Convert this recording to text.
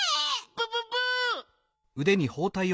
プププ！